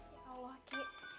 ya allah ki